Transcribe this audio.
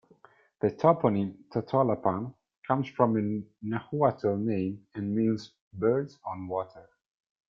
The toponym "Totolapan "comes from a Nahuatl name and means "birds on water".